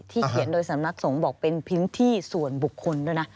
เขียนโดยสำนักสงฆ์บอกเป็นพื้นที่ส่วนบุคคลด้วยนะ